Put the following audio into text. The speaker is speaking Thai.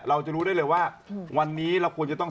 เราจะรู้ได้เลยว่าวันนี้เราควรจะต้อง